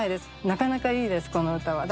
なかなかいいですこの歌は。